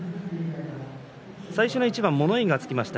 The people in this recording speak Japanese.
最初の一番物言いがつきました。